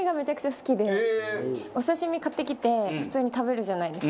お刺身買ってきて普通に食べるじゃないですか。